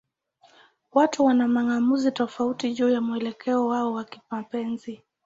Watu wana mang'amuzi tofauti juu ya mwelekeo wao wa kimapenzi.